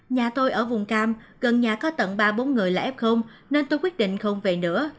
nhà tôi ở vùng cam gần nhà có tầng ba bốn người là f nên tôi quyết định không về nữa